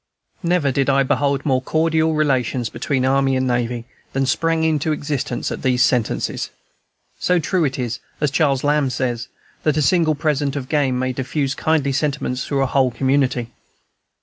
Never did I behold more cordial relations between army and navy than sprang into existence at those sentences. So true it is, as Charles Lamb says, that a single present of game may diffuse kindly sentiments through a whole community.